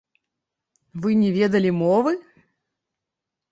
Вы не ведалі мовы?